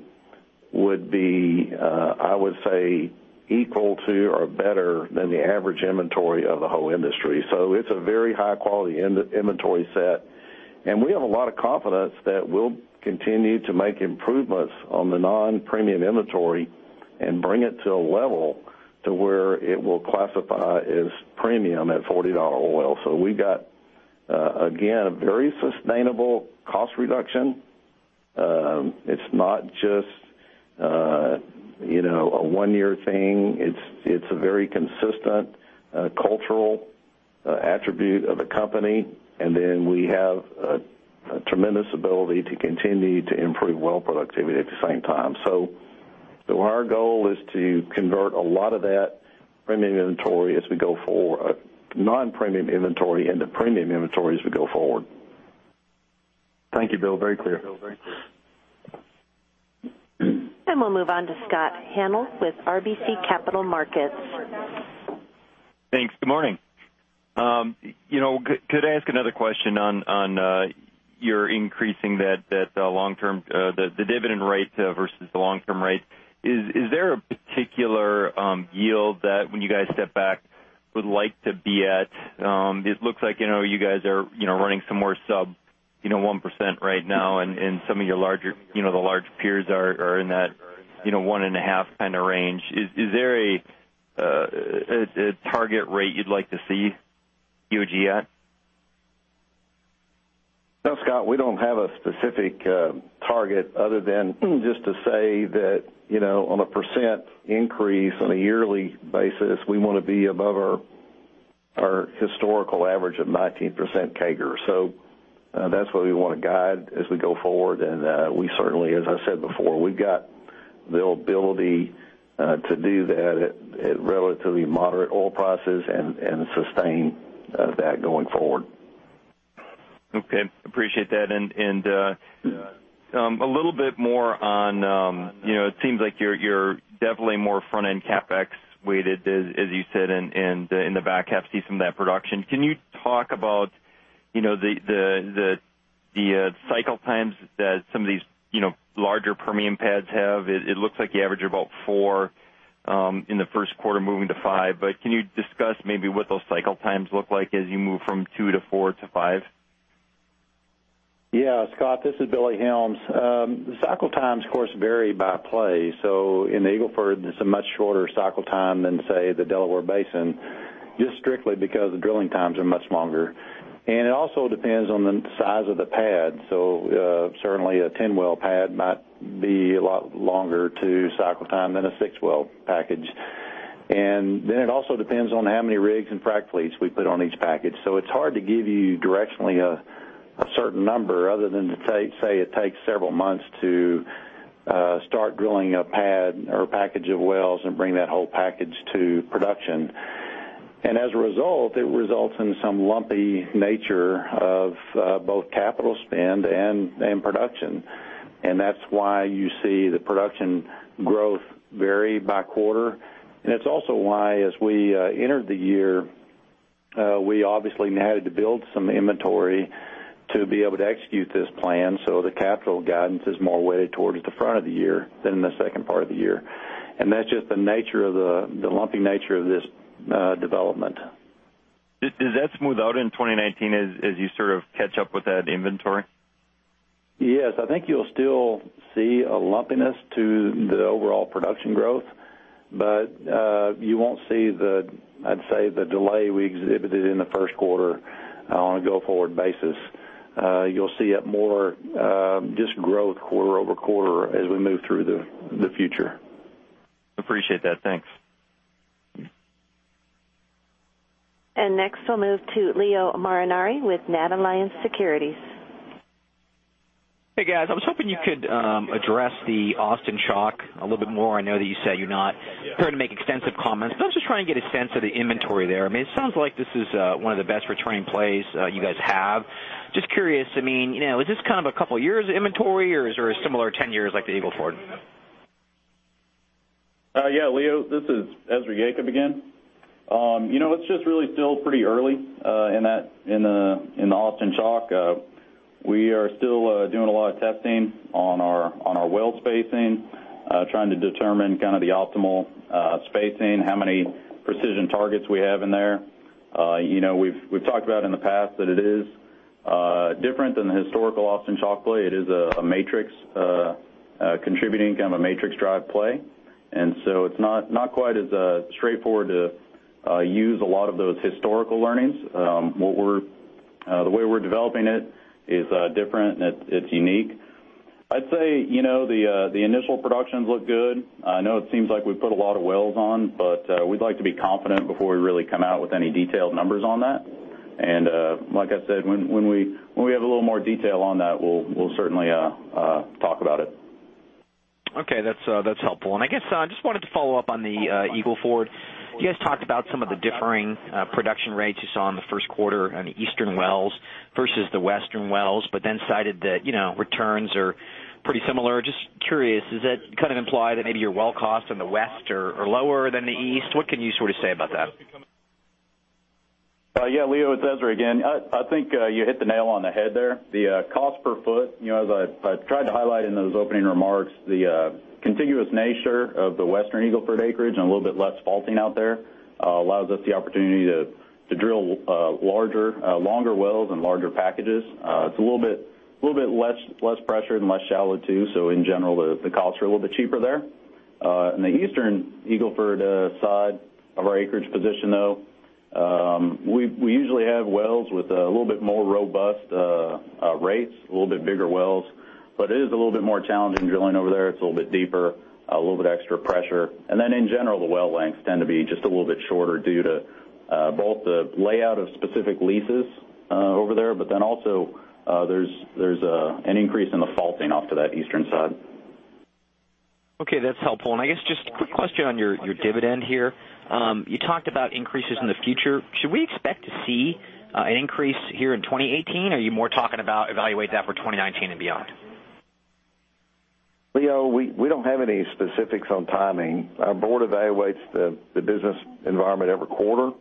would be, I would say, equal to or better than the average inventory of the whole industry. It's a very high-quality inventory set, we have a lot of confidence that we'll continue to make improvements on the non-premium inventory and bring it to a level to where it will classify as premium at $40 oil. We got, again, a very sustainable cost reduction. It's not just a one-year thing. It's a very consistent cultural attribute of the company, we have a tremendous ability to continue to improve well productivity at the same time. Our goal is to convert a lot of that non-premium inventory into premium inventory as we go forward. Thank you, Bill. Very clear. We'll move on to Scott Hanold with RBC Capital Markets. Thanks. Good morning. Could I ask another question on your increasing the dividend rate versus the long-term rate? Is there a particular yield that when you guys step back, would like to be at? It looks like you guys are running some more sub 1% right now and some of the large peers are in that 1.5% range. Is there a target rate you'd like to see EOG at? No, Scott, we don't have a specific target other than just to say that on a percent increase on a yearly basis, we want to be above our historical average of 19% CAGR. That's what we want to guide as we go forward, and we certainly, as I said before, we've got the ability to do that at relatively moderate oil prices and sustain that going forward. Okay. Appreciate that. It seems like you're definitely more front-end CapEx weighted, as you said, and the back half sees some of that production. Can you talk about the cycle times that some of these larger Permian pads have? It looks like you average about four in the first quarter moving to five, but can you discuss maybe what those cycle times look like as you move from two to four to five? Yeah, Scott, this is Billy Helms. Cycle times, of course, vary by play. In the Eagle Ford, it's a much shorter cycle time than, say, the Delaware Basin, just strictly because the drilling times are much longer. It also depends on the size of the pad. Certainly, a 10-well pad might be a lot longer to cycle time than a six-well package. It also depends on how many rigs and frac fleets we put on each package. It's hard to give you directionally a certain number other than to say it takes several months to start drilling a pad or a package of wells and bring that whole package to production. As a result, it results in some lumpy nature of both capital spend and production. That's why you see the production growth vary by quarter. It's also why as we entered the year, we obviously had to build some inventory to be able to execute this plan. The capital guidance is more weighted towards the front of the year than the second part of the year. That's just the lumpy nature of this development. Does that smooth out in 2019 as you sort of catch up with that inventory? Yes, I think you'll still see a lumpiness to the overall production growth, but you won't see the, I'd say, the delay we exhibited in the first quarter on a go-forward basis. You'll see it more just growth quarter-over-quarter as we move through the future. Appreciate that. Thanks. Next, we'll move to Leo Mariani with NatAlliance Securities. Hey, guys. I was hoping you could address the Austin Chalk a little bit more. I know that you said you're not going to make extensive comments, but I was just trying to get a sense of the inventory there. It sounds like this is one of the best returning plays you guys have. Just curious, is this a couple of years of inventory, or is there a similar 10 years like the Eagle Ford? Yeah, Leo, this is Ezra Yacob again. It's just really still pretty early in the Austin Chalk. We are still doing a lot of testing on our well spacing, trying to determine the optimal spacing, how many precision targets we have in there. We've talked about in the past that it is different than the historical Austin Chalk Play. It is a matrix contributing, a matrix drive play. So it's not quite as straightforward to use a lot of those historical learnings. The way we're developing it is different and it's unique. I'd say, the initial productions look good. I know it seems like we put a lot of wells on, but we'd like to be confident before we really come out with any detailed numbers on that. Like I said, when we have a little more detail on that, we'll certainly talk about it. Okay, that's helpful. I guess I just wanted to follow up on the Eagle Ford. You guys talked about some of the differing production rates you saw in the first quarter on the eastern wells versus the western wells, but then cited that returns are pretty similar. Just curious, does that kind of imply that maybe your well costs in the west are lower than the east? What can you sort of say about that? Yeah, Leo, it's Ezra again. I think you hit the nail on the head there. The cost per foot, as I tried to highlight in those opening remarks, the contiguous nature of the Western Eagle Ford acreage and a little bit less faulting out there allows us the opportunity to drill larger, longer wells and larger packages. It's a little bit less pressured and less shallow, too. In general, the costs are a little bit cheaper there. In the Eastern Eagle Ford side of our acreage position, though, we usually have wells with a little bit more robust rates, a little bit bigger wells, but it is a little bit more challenging drilling over there. It's a little bit deeper, a little bit extra pressure. In general, the well lengths tend to be just a little bit shorter due to both the layout of specific leases over there, also there's an increase in the faulting off to that eastern side. Okay, that's helpful. I guess just a quick question on your dividend here. You talked about increases in the future. Should we expect to see an increase here in 2018, or are you more talking about evaluating that for 2019 and beyond? Leo, we don't have any specifics on timing. Our board evaluates the business environment every quarter.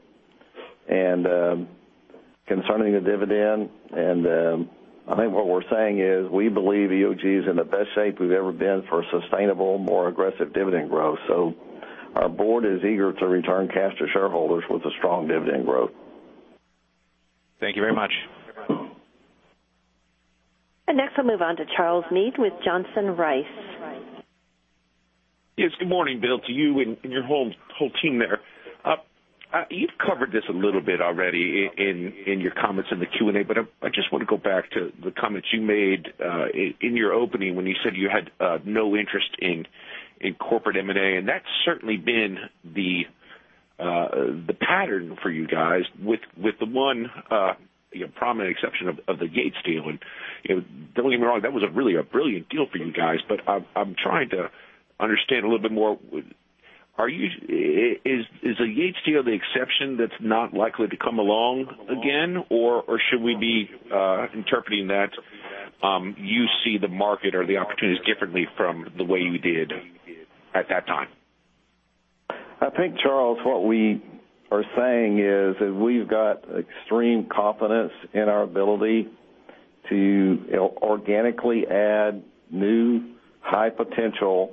Concerning the dividend, I think what we're saying is we believe EOG is in the best shape we've ever been for sustainable, more aggressive dividend growth. Our board is eager to return cash to shareholders with a strong dividend growth. Thank you very much. Next we'll move on to Charles Meade with Johnson Rice. Yes. Good morning, Bill, to you and your whole team there. You've covered this a little bit already in your comments in the Q&A, I just want to go back to the comments you made in your opening when you said you had no interest in corporate M&A, that's certainly been the pattern for you guys with the one prominent exception of the Yates deal. Don't get me wrong, that was really a brilliant deal for you guys. I'm trying to understand a little bit more. Is the Yates deal the exception that's not likely to come along again? Should we be interpreting that you see the market or the opportunities differently from the way you did at that time? I think, Charles, what we are saying is that we've got extreme confidence in our ability to organically add new high potential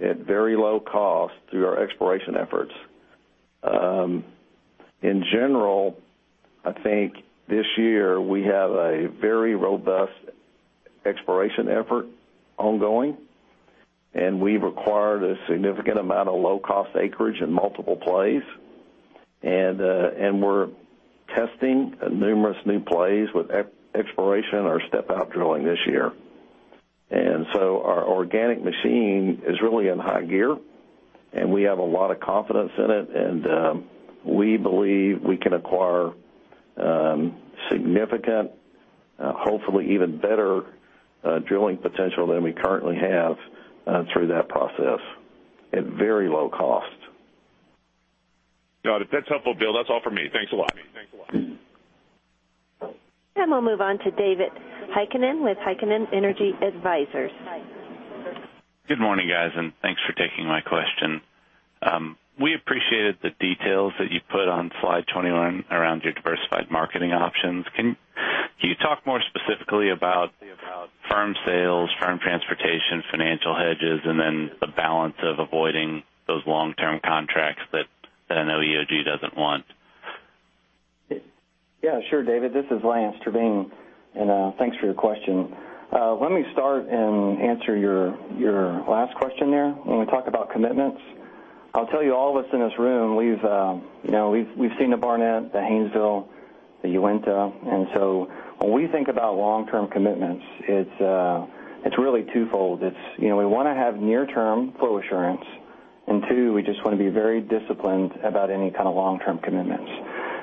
at very low cost through our exploration efforts. In general, I think this year we have a very robust exploration effort ongoing, we've acquired a significant amount of low-cost acreage in multiple plays. We're testing numerous new plays with exploration or step-out drilling this year. Our organic machine is really in high gear, we have a lot of confidence in it, we believe we can acquire significant, hopefully even better drilling potential than we currently have through that process at very low cost. Got it. That's helpful, Bill. That's all for me. Thanks a lot. We'll move on to David Heikkinen with Heikkinen Energy Advisors. Good morning, guys, and thanks for taking my question. We appreciated the details that you put on slide 21 around your diversified marketing options. Can you talk more specifically about firm sales, firm transportation, financial hedges, and then the balance of avoiding those long-term contracts that I know EOG doesn't want? Yeah, sure, David. This is Lance Terveen, and thanks for your question. Let me start and answer your last question there. When we talk about commitments, I'll tell you, all of us in this room, we've seen the Barnett, the Haynesville, the Uinta. So when we think about long-term commitments, it's really twofold. We want to have near-term flow assurance, and two, we just want to be very disciplined about any kind of long-term commitments.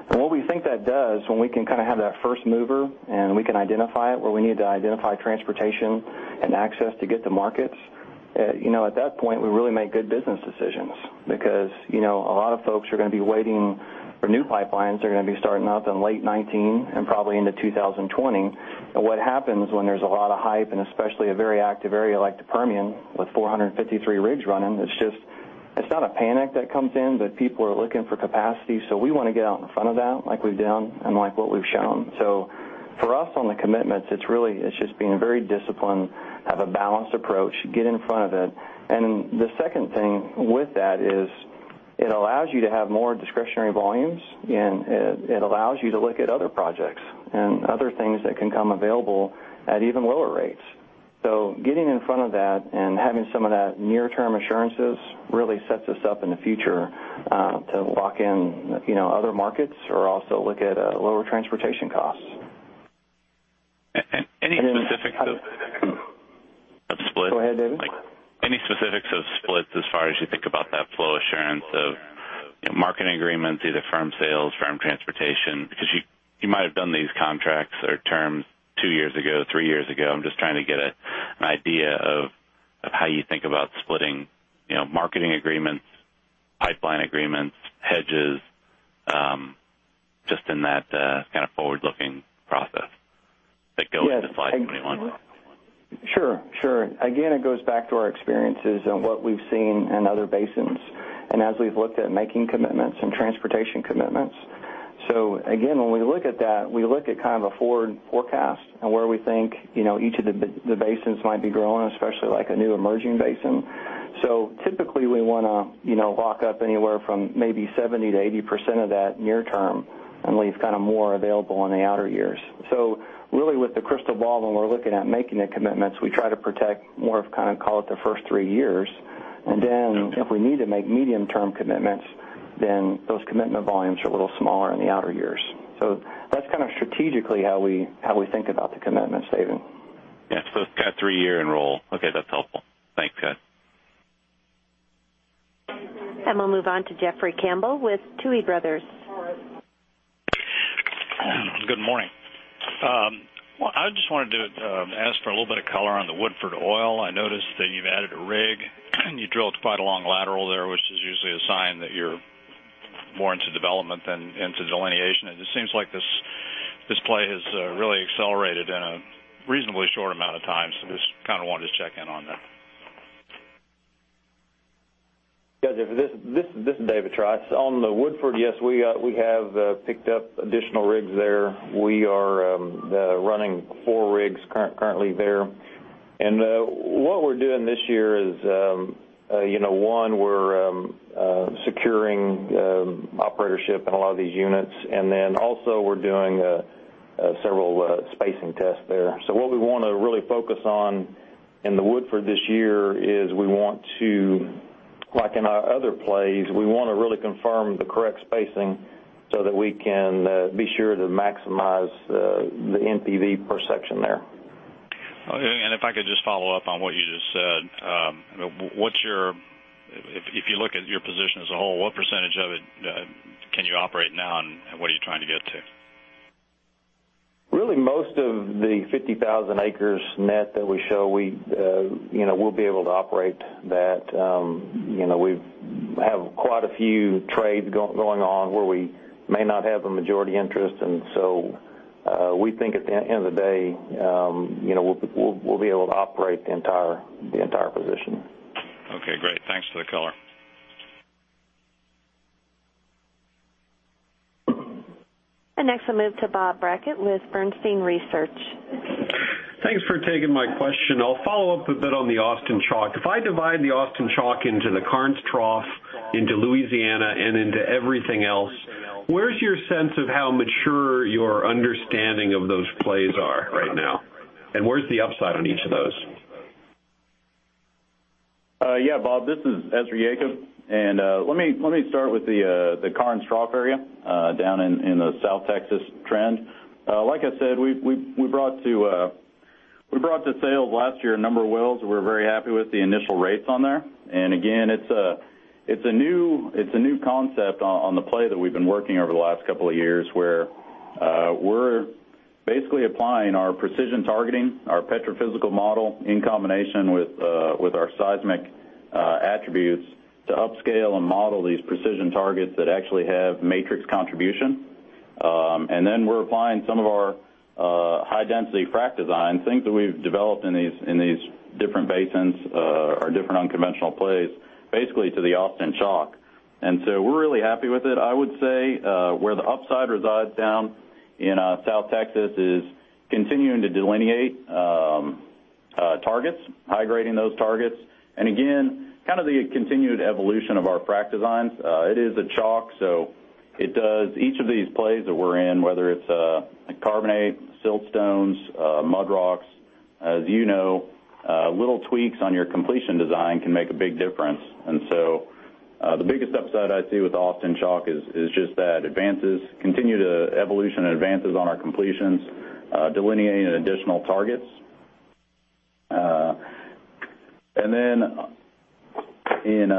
What we think that does, when we can kind of have that first mover and we can identify it, where we need to identify transportation and access to get to markets, at that point, we really make good business decisions because a lot of folks are going to be waiting for new pipelines that are going to be starting up in late 2019 and probably into 2020. What happens when there's a lot of hype and especially a very active area like the Permian with 453 rigs running, it's not a panic that comes in, but people are looking for capacity. We want to get out in front of that like we've done and like what we've shown. For us on the commitments, it's just being very disciplined, have a balanced approach, get in front of it. The second thing with that is it allows you to have more discretionary volumes, and it allows you to look at other projects and other things that can come available at even lower rates. Getting in front of that and having some of that near-term assurances really sets us up in the future to lock in other markets or also look at lower transportation costs. Any specifics. Go ahead, David. Any specifics of splits as far as you think about that flow assurance of Marketing agreements, either firm sales, firm transportation, because you might have done these contracts or terms two years ago, three years ago. I'm just trying to get an idea of how you think about splitting marketing agreements, pipeline agreements, hedges, just in that forward-looking process that goes into slide 21. Sure. Again, it goes back to our experiences and what we've seen in other basins, and as we've looked at making commitments and transportation commitments. Again, when we look at that, we look at a forward forecast and where we think each of the basins might be growing, especially like a new emerging basin. Typically, we want to lock up anywhere from maybe 70%-80% of that near term and leave more available in the outer years. Really, with the crystal ball, when we're looking at making the commitments, we try to protect more of, call it the first three years. Then if we need to make medium-term commitments, then those commitment volumes are a little smaller in the outer years. That's strategically how we think about the commitment, David. Yeah. It's got a three-year run. Okay, that's helpful. Thanks, guys. We'll move on to Jeffrey Campbell with Tuohy Brothers. Good morning. I just wanted to ask for a little bit of color on the Woodford Oil. I noticed that you've added a rig and you drilled quite a long lateral there, which is usually a sign that you're more into development than into delineation. It just seems like this play has really accelerated in a reasonably short amount of time. Just wanted to check in on that. Yeah, Jeffrey, this is David Trice. On the Woodford, yes, we have picked up additional rigs there. We are running four rigs currently there. What we're doing this year is, one, we're securing operatorship in a lot of these units. Also, we're doing several spacing tests there. What we want to really focus on in the Woodford this year is we want to, like in our other plays, we want to really confirm the correct spacing so that we can be sure to maximize the NPV per section there. If I could just follow up on what you just said. If you look at your position as a whole, what % of it can you operate now, and what are you trying to get to? Really, most of the 50,000 acres net that we show, we'll be able to operate that. We have quite a few trades going on where we may not have a majority interest. We think at the end of the day, we'll be able to operate the entire position. Okay, great. Thanks for the color. Next, I'll move to Bob Brackett with Bernstein Research. Thanks for taking my question. I'll follow up a bit on the Austin Chalk. If I divide the Austin Chalk into the Karnes Trough, into Louisiana, and into everything else, where's your sense of how mature your understanding of those plays are right now? Where's the upside on each of those? Yeah, Bob, this is Ezra Yacob, let me start with the Karnes Trough area down in the South Texas trend. Like I said, we brought to sale last year a number of wells that we're very happy with the initial rates on there. Again, it's a new concept on the play that we've been working over the last couple of years, where we're basically applying our precision targeting, our petrophysical model, in combination with our seismic attributes to upscale and model these precision targets that actually have matrix contribution. Then we're applying some of our high-density frac design, things that we've developed in these different basins or different unconventional plays, basically to the Austin Chalk. We're really happy with it. I would say where the upside resides down in South Texas is continuing to delineate targets, high-grading those targets. Again, the continued evolution of our frac designs. It is a chalk, so each of these plays that we're in, whether it's a carbonate, siltstones, mud rocks, as you know, little tweaks on your completion design can make a big difference. The biggest upside I see with Austin Chalk is just that advances continue to evolution and advances on our completions, delineating additional targets. Then in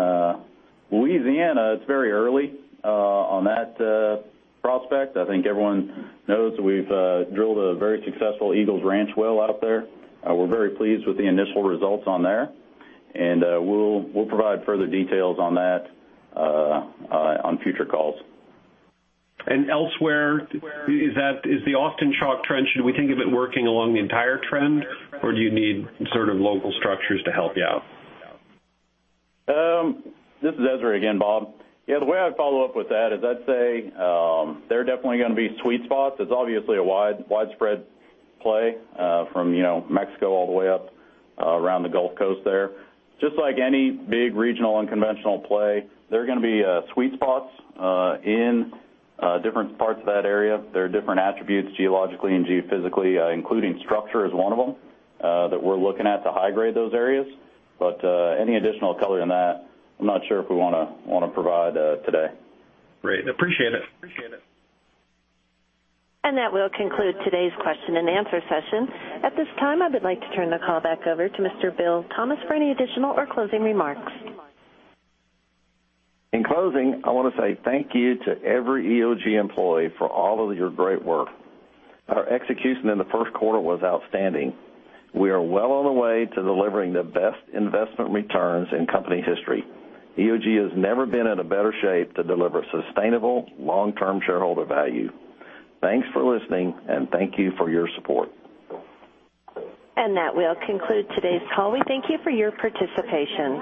Louisiana, it's very early on that prospect. I think everyone knows we've drilled a very successful Eagles Ranch well out there. We're very pleased with the initial results on there, and we'll provide further details on that on future calls. Elsewhere, is the Austin Chalk trend, should we think of it working along the entire trend, or do you need local structures to help you out? This is Ezra again, Bob. Yeah, the way I'd follow up with that is I'd say there are definitely going to be sweet spots. It's obviously a widespread play from Mexico all the way up around the Gulf Coast there. Just like any big regional unconventional play, there are going to be sweet spots in different parts of that area. There are different attributes geologically and geophysically, including structure is one of them, that we're looking at to high-grade those areas. Any additional color than that, I'm not sure if we want to provide today. Great. Appreciate it. That will conclude today's question and answer session. At this time, I would like to turn the call back over to Mr. Bill Thomas for any additional or closing remarks. In closing, I want to say thank you to every EOG employee for all of your great work. Our execution in the first quarter was outstanding. We are well on the way to delivering the best investment returns in company history. EOG has never been in a better shape to deliver sustainable long-term shareholder value. Thanks for listening, and thank you for your support. That will conclude today's call. We thank you for your participation.